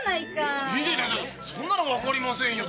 そんなのわかりませんよ。